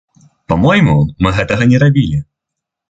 Па-мойму, мы гэтага не рабілі.